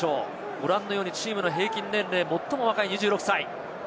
ご覧のようにチームの平均年齢は最も若い２６歳。